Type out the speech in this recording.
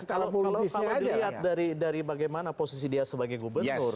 kalau dilihat dari bagaimana posisi dia sebagai gubernur